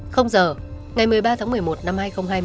không giờ ngày một mươi ba tháng một mươi một năm hai nghìn hai mươi một